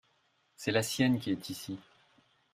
c'est la sienne qui est ici.